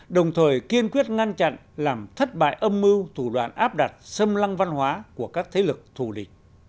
đồng thời kiên quyết ngăn chặn làm thất bại âm mưu thủ đoạn áp đặt xâm lăng văn hóa của các thế lực thù địch